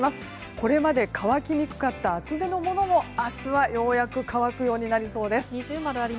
これまで乾きにくかった厚手のものも明日はようやく乾くようになりそうです。